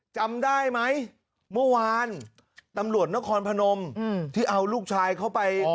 จำได้ไหมเมื่อวานตำรวจนครพนมที่เอาลูกชายเขาไป